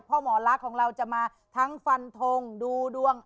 เพราะหมอลักษณ์ของเราจะมาทั้งฟันทงดูดวง